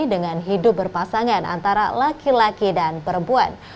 dengan hidup berpasangan antara laki laki dan perempuan